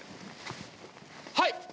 はい！